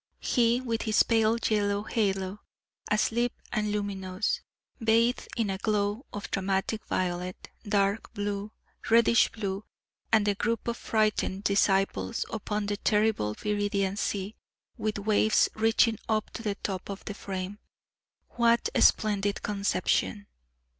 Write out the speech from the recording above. He, with his pale yellow halo asleep and luminous, bathed in a glow of dramatic violet, dark blue, reddish blue and the group of frightened disciples upon the terrible viridian sea, with waves reaching up to the top of the frame. What a splendid conception!